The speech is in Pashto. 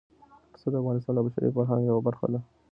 پسه د افغانستان د بشري فرهنګ یوه برخه ده.